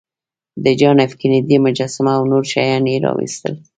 د جان ایف کینیډي مجسمه او نور شیان یې راویستل